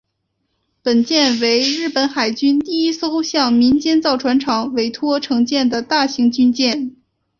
本舰为日本海军第一艘向民间造船厂委托承建的大型军舰。